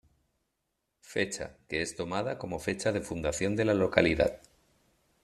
Fecha, que es tomada como fecha de fundación de la localidad.